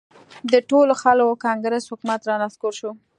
د ټولو خلکو کانګرس حکومت را نسکور شو.